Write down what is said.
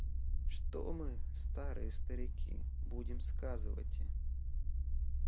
Что мы, старые старики, будем сказывати.